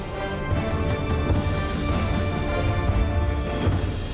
โปรดติดตามตอนต่อไป